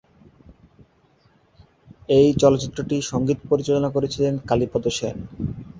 এই চলচ্চিত্রটি সংগীত পরিচালনা করেছিলেন কালীপদ সেন।